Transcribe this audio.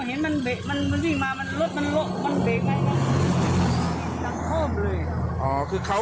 เห็นมันเบะมันวิ่งมามันรถมันโละมันเบะได้ไหม